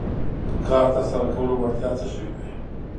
کار تر سره کولو وړتیا څه شی دی.